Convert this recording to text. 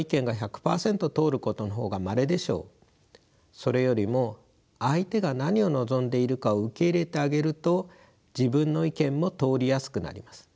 それよりも相手が何を望んでいるかを受け入れてあげると自分の意見も通りやすくなります。